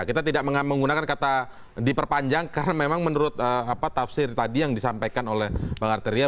kita tidak menggunakan kata diperpanjang karena memang menurut tafsir tadi yang disampaikan oleh bang arteria